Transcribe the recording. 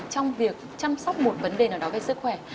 trong việc chăm sóc một vấn đề nào đó về sức khỏe